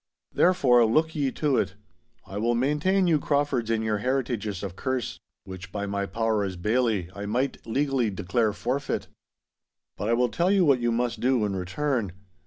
Therefore, look ye to it. I will maintain you Craufords in your heritages of Kerse—which by my power as Bailzie, I might legally declare forfeit. 'But I will tell you what ye must do in return.